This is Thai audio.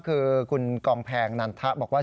คือคุณกรมแผงนั่นเธอบอกว่า